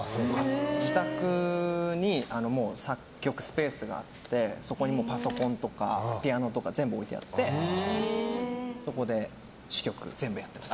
自宅に作曲スペースがあってそこにピアノとか全部置いてあってそこで全部やってます。